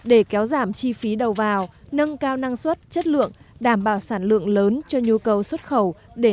để kéo giảm chi phí đầu vào nâng cao năng suất chất lượng đảm bảo sản lượng lớn cho nhu cầu xuất khẩu